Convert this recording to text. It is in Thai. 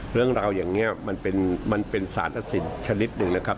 เรื่องราวอย่างนี้มันเป็นสารตัดสินชนิดหนึ่งนะครับ